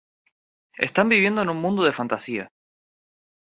Están viviendo en un mundo de fantasía.